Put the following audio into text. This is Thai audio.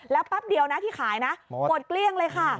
แล้วแป๊บเดียวนะที่ขายนะหมดเกลี้ยงเลยค่ะ